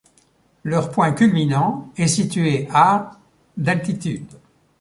Leur point culminant est situé à d'altitude.